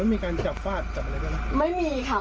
แล้วมีการจับฟาดอะไรบ้าง